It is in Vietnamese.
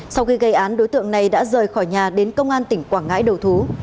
sau khi gây án đối tượng này đã rời khỏi nhà đến công an tỉnh quảng ngãi đầu thú